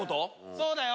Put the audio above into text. そうだよ。